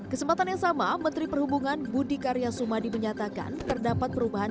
kesempatan yang sama menteri perhubungan budi karya sumadi menyatakan terdapat perubahan